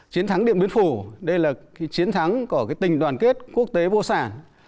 chiến thắng điện biên phủ đây là chiến thắng của tình đoàn kết quốc tế vô sản